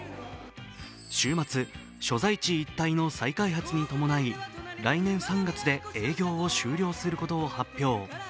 週末、所在地一帯の再開発に伴い来年３月で営業を終了することを発表。